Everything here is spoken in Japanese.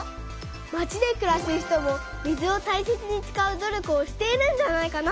まちでくらす人も水をたいせつにつかう努力をしているんじゃないかな。